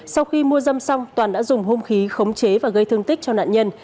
sau khi mua dâm xong toàn đã dùng hôm khí không chế và gây thương tích cho nạn nhân